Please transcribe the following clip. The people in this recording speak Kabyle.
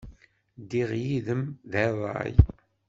Ddiɣ yid-m deg ṛṛay.